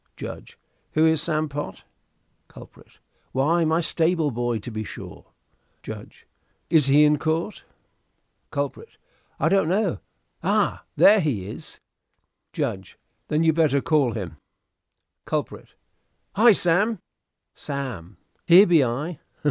Judge. Who is Sam Pott? Culprit. Why, my stable boy, to be sure. Judge. Is he in court? Culprit. I don't know. Ay, there he is, Judge. Then you'd better call him. Culprit (shouting). Hy! Sam! Sam. Here be I.